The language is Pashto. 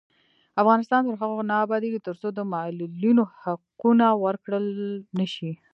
افغانستان تر هغو نه ابادیږي، ترڅو د معلولینو حقونه ورکړل نشي.